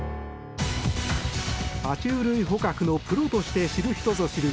爬虫類捕獲のプロとして知る人ぞ知る